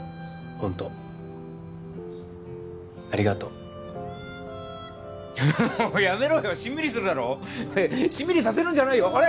ホントありがとうもうやめろよしんみりするだろしんみりさせるんじゃないよあれ？